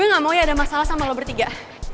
gue gak mau ya ada masalah sama lo bertiga